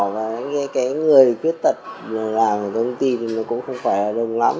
và những người khuyết tật làm của công ty cũng không phải là đông lắm